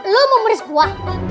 lu mau meris gua